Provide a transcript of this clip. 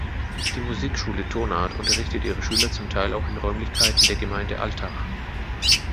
Die Musikschule „tonart“ unterrichtet ihre Schüler zum Teil auch in Räumlichkeiten der Gemeinde Altach.